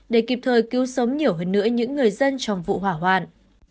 để kịp thời cứu sống nhiều hơn nữa những người dân trong vụ hỏa hoạn